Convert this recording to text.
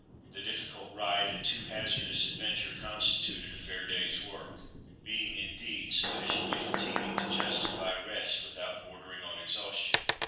The difficult ride and too hazardous adventure constituted a fair day's work—being indeed sufficiently fatiguing to justify rest without bordering on exhaustion.